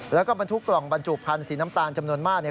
แล้วก็มันทุกกล่องบรรจุภัณฑ์สีน้ำตาลจำนวนมาก